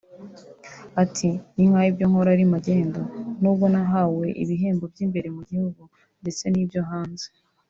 Ati “Ni nkaho ibyo nkora ari magendu nubwo nahawe ibihembo by’imbere mu gihugu ndetse n’ibyo hanze